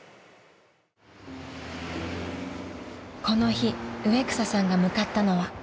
［この日植草さんが向かったのは］